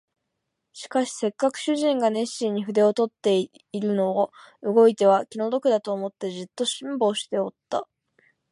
しかしせっかく主人が熱心に筆を執っているのを動いては気の毒だと思って、じっと辛抱しておった